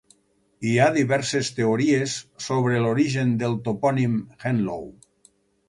Hi ha diverses teories sobre l'origen del topònim Henlow.